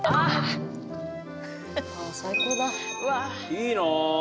いいなあ。